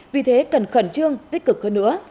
vì thế cần khẩn trương tích cực hơn nữa